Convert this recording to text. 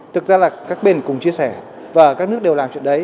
thực ra là các bên cùng chia sẻ và các nước đều làm chuyện đấy